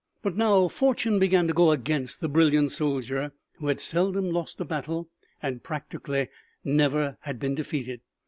But now fortune began to go against the brilliant soldier who had seldom lost a battle and practically never had been defeated.